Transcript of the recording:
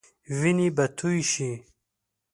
وينې به تويي شي.